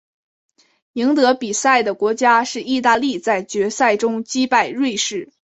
赢得比赛的国家是意大利在决赛中击败瑞士。